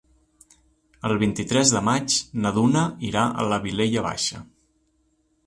El vint-i-tres de maig na Duna irà a la Vilella Baixa.